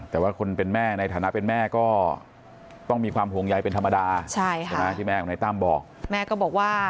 แต่ว่าคนเป็นแม่ในฐานะเป็นแม่ก็ต้องมีความห่วงใยเป็นธรรมดา